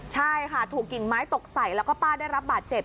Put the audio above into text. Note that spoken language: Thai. ใช่ค่ะถูกกิ่งไม้ตกใส่แล้วก็ป้าได้รับบาดเจ็บ